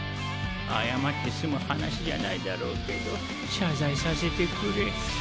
謝って済む話じゃないだろうけど謝罪させてくれ。